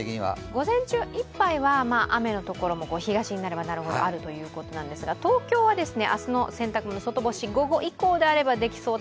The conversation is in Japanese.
午前中いっぱいは雨のところは東になればなるほど多いというところなんですけれども東京は明日の洗濯物、外干し、午後以降であればできそう。